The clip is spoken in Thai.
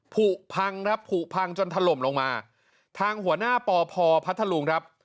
ผูกพังครับผูกพังจนถล่มลงมาทางหัวหน้าปพพัทธลุงครับ